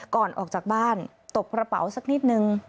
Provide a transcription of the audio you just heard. ก่อนออกจากบ้านตบกระเป๋าสักนิดนึง